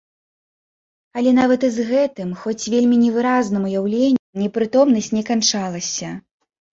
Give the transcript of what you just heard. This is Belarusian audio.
Але нават і з гэтым, хоць вельмі невыразным, уяўленнем непрытомнасць не канчалася.